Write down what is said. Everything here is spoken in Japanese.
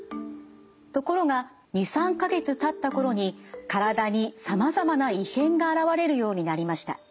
ところが２３か月たった頃に体にさまざまな異変が現れるようになりました。